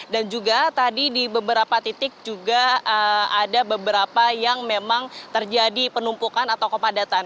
dan juga tadi di beberapa titik juga ada beberapa yang memang terjadi penumpukan atau kepadatan